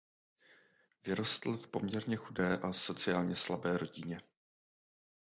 Vyrostl v poměrně chudé a sociálně slabé rodině.